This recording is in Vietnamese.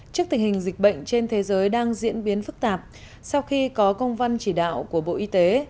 trước tình hình dịch bệnh trên thế giới đang diễn biến phức tạp sau khi có công văn chỉ đạo của bộ y tế